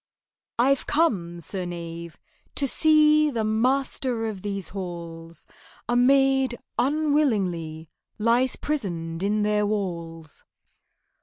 "I've come, Sir Knave, to see The master of these halls: A maid unwillingly Lies prisoned in their walls."